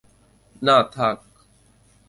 না, থাক।